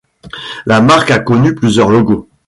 La marque a connu plusieurs logos.